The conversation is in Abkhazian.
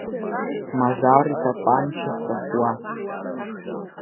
Мазар итапанча ҵәахуа.